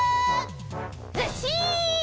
ずっしん！